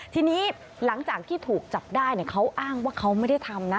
ทีนี้หลังจากที่ถูกจับได้เขาอ้างว่าเขาไม่ได้ทำนะ